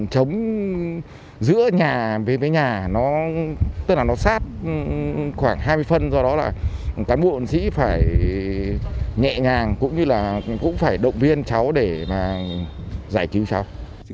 chúng tôi cũng phải động viên cháu để giải trí cháu